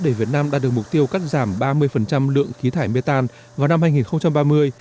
để việt nam đạt được mục tiêu cắt giảm ba mươi lượng khí thải metan vào năm hai nghìn ba mươi